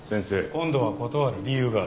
今度は断る理由がある。